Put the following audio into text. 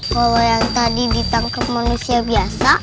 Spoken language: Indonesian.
kalo yang tadi ditangkep manusia biasa